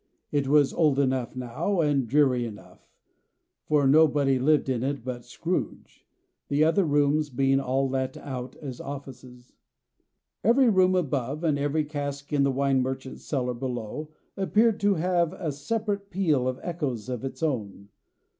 It was old enough now, and dreary enough; for nobody lived in it but Scrooge, the other rooms being all let out as offices. Every room above, and every cask in the wine merchant's cellars below, appeared to have a separate peal of echoes of its own.